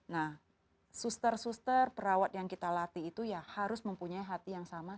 nah suster suster perawat yang kita latih itu ya harus mempunyai hati yang sama